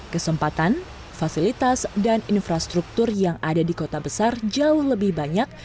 kesempatan fasilitas dan infrastruktur yang ada di kota besar jauh lebih banyak